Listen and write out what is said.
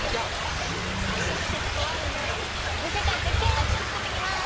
じゃあ口約束怖いんで店帰って契約書作ってきます！